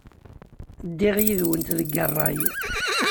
Ddiɣ yid-went deg ṛṛay.